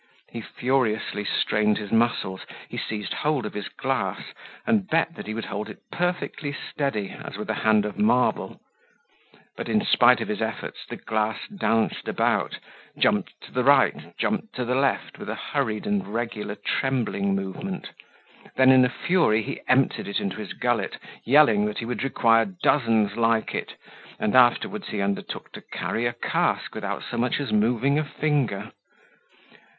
He furiously strained his muscles, he seized hold of his glass and bet that he would hold it perfectly steady as with a hand of marble; but in spite of his efforts the glass danced about, jumped to the right, jumped to the left with a hurried and regular trembling movement. Then in a fury he emptied it into his gullet, yelling that he would require dozens like it, and afterwards he undertook to carry a cask without so much as moving a finger.